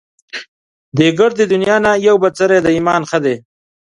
دې ګردې دنيا نه يو بڅری د ايمان ښه دی